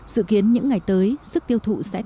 dự kiến những ngày tới sức tiêu thụ sẽ tăng